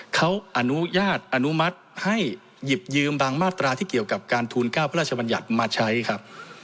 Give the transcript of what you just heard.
เขาอนุญาตอนุมัติให้หยิบยืมบางมาตราที่เกี่ยวกับการทูล๙พระราชบัญญัติมาใช้ครับ